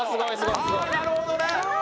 ああなるほどね！